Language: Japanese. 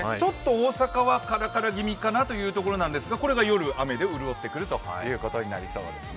大阪だとカラカラ気味かなという感じなんですがこれが夜雨で潤ってくるということになりそうですね。